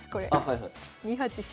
２八飛車。